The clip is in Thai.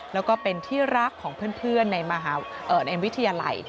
แล้วก็เป็นที่รักของเพื่อนในวิทยาลัย